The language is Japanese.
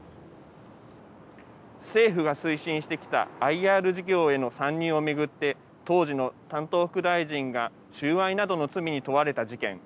政府が推進してきたＩＲ事業への参入を巡って当時の担当副大臣が収賄などの罪に問われた事件。